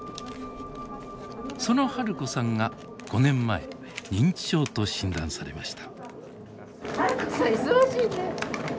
その治子さんが５年前認知症と診断されました。